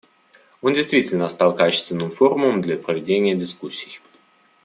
Он действительно стал качественным форумом для проведения дискуссий.